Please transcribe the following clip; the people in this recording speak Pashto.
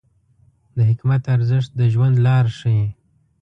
د حکمت ارزښت د ژوند لار ښیي.